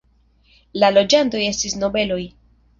La loĝantoj estis nobeloj.